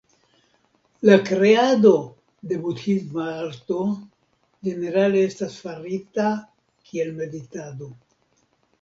La kreado de budhisma arto ĝenerale estas farita kiel meditado.